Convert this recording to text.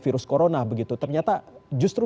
virus corona begitu ternyata justru